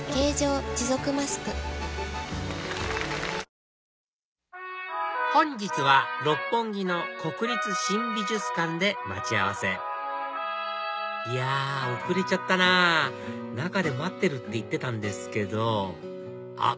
ダイハツＲＶキャンペーン実施中本日は六本木の国立新美術館で待ち合わせいや遅れちゃったなぁ中で待ってるって言ってたんですけどあっ